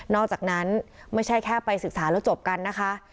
อกจากนั้นไม่ใช่แค่ไปศึกษาแล้วจบกันนะคะ